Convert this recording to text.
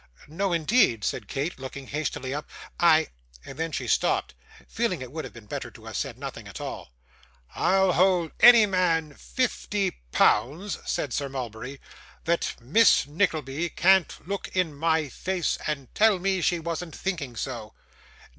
'No, indeed,' said Kate, looking hastily up, 'I ' and then she stopped, feeling it would have been better to have said nothing at all. 'I'll hold any man fifty pounds,' said Sir Mulberry, 'that Miss Nickleby can't look in my face, and tell me she wasn't thinking so.